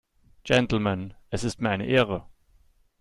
Gentlemen, es ist mir eine Ehre!